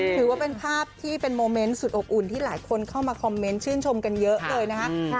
ถือว่าเป็นภาพที่เป็นโมเมนต์สุดอบอุ่นที่หลายคนเข้ามาคอมเมนต์ชื่นชมกันเยอะเลยนะคะ